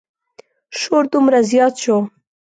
شور دومره زیات شو.